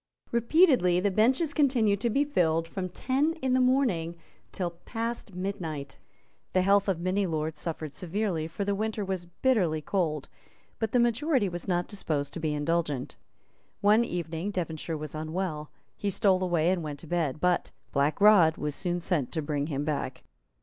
Repeatedly the benches continued to be filled from ten in the morning till past midnight. The health of many lords suffered severely; for the winter was bitterly cold; but the majority was not disposed to be indulgent. One evening Devonshire was unwell; he stole away and went to bed; but Black Rod was soon sent to bring him back.